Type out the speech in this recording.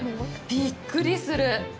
びっくりする。